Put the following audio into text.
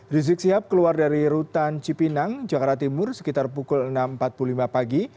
rizik sihab keluar dari rutan cipinang jakarta timur sekitar pukul enam empat puluh lima pagi